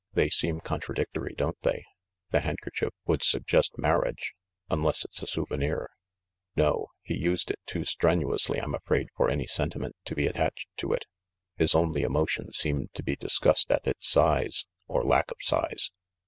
"They seem contradictory, don't they? The handkerchief would suggest marriage ; unless it's a souvenir —" "No. He used it too strenuously, I'm afraid, for any sentiment to be attached to it; his only emotion seemed to be disgust at its size — or lack of size.